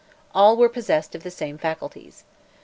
All were possessed of the same faculties.